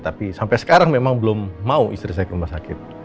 tapi sampai sekarang memang belum mau istri saya ke rumah sakit